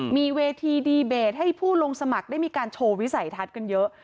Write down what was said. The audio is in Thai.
มีเวทีดีเบตให้ผู้ลงสมัครได้มีการโชว์วิสัยทัศน์กันเยอะ